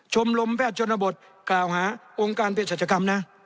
ชมรมแพทย์ชนบทกล่าวหาองค์การเปลี่ยนศักดิ์กรรมนะ